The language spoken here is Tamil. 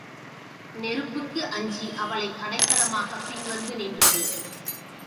நெருப்புக்கு அஞ்சி அவளை அடைக்கலமாகப் பின் வந்து நின்றது.